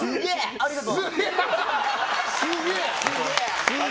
ありがとう！